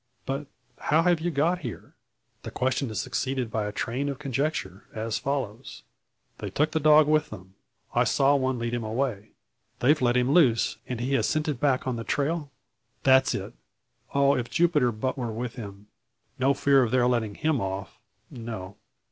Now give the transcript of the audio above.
But how have you got here?" The question is succeeded by a train of conjecture, as follows: "They took the dog with them. I saw one lead him away. They've let him loose, and he has scented back on the trail? That's it. Oh! if Jupiter were but with him! No fear of their letting him off no."